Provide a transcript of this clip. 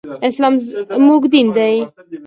اسلام زمونږ دين دی.